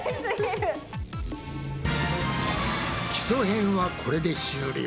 基礎編はこれで終了。